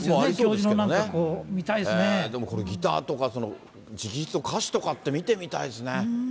いろいろでもこれ、ギターとか直筆の歌詞とかって見てみたいですね。